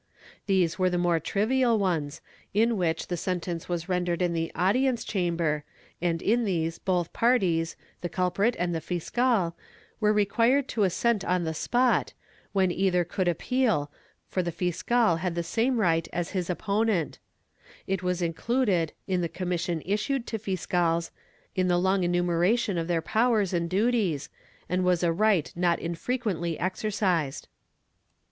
These were the more trivial ones, in which the sentence was rendered in the audience chamber, and in these both parties, the culprit and the fiscal, were required to assent on the spot, when either could appeal, for the fiscal had the same right as his opponent; it was included, in the commission issued to fiscals, in the long enumeration of their powers and duties, and was a right not infrequently exercised.